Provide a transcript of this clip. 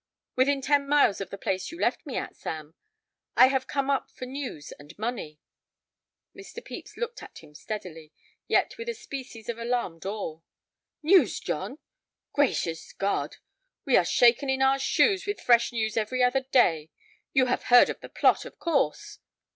"Within ten miles of the place you left me at, Sam. I have come up for news and money." Mr. Pepys looked at him steadily, yet with a species of alarmed awe. "News, John! Gracious God, we are shaken in our shoes with fresh news every other day! You have heard of the Plot, of course."